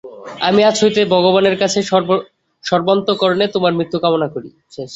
আমি আজ হইতে ভগবানের কাছে সর্বান্তঃকরণে তোমার মৃত্যু কামনা করি।